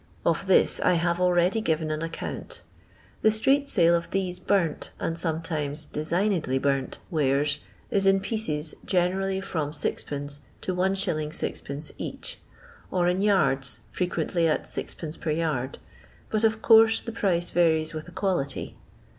Of this I have already given an account The street sale of these burnt (and sometimes dctifpiedly burnt) wares is in pieces, generally from 6(/. to Is. 6c?. each, or in yards, frequently at Qd. per yard, but of course the price varies with the qiwlity.